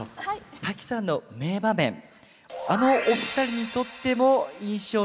タキさんの名場面あのお二人にとっても印象に残るシーンでした。